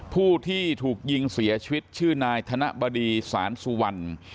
ผู้ที่ถูกยิงเสียชีวิตชื่อนายธนบดีสารสุวรรณ